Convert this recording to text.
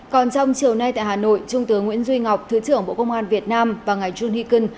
còn trong chiều nay tại hà nội trung tướng nguyễn duy ngọc thứ trưởng bộ công an việt nam và ngài jun hi kinh